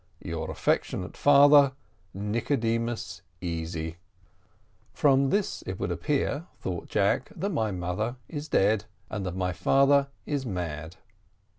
Your affectionate Father: "NICODEMUS EASY." From this it would appear, thought Jack, that my mother is dead, and that my father is mad.